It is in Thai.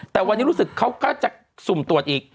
แต่วันนี้รู้สึกเขาก็จะสุ่มตรวจอีก